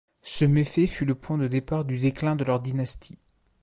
Ce méfait fut le point de départ du déclin de leur dynastie.